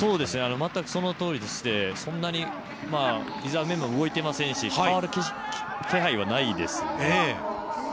◆全くそのとおりでして、そんなにリザーブメンバー、動いていませんし、変わる気配はないですね。